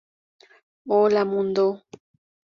Hola Mundo!